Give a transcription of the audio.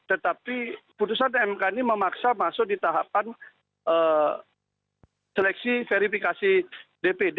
tetapi putusan mk ini memaksa masuk di tahapan seleksi verifikasi dpd